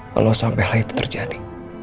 kalau sampai hal itu terjadi